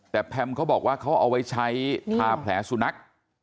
แต่แพมเขาบอกว่าเขาเอาไว้ใช้ทาแผลสุนัข